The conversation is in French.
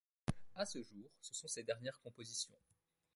À ce jour, ce sont ses dernières compositions.